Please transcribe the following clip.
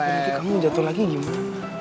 nanti kamu jatuh lagi gimana